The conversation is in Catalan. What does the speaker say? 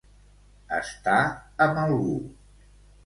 Estar amb algú.